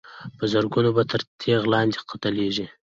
په زرګونو به تر تېغ لاندي قتلیږي